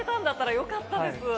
よかったです